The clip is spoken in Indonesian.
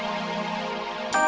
geez orgah tadi agak serem